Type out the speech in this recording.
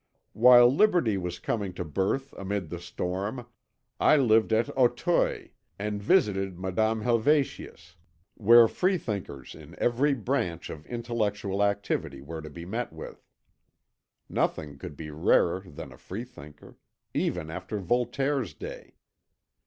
"While Liberty was coming to birth amid the storm, I lived at Auteuil, and visited Madame Helvetius, where freethinkers in every branch of intellectual activity were to be met with. Nothing could be rarer than a freethinker, even after Voltaire's day.